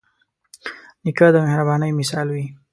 نیکه د مهربانۍ مثال وي.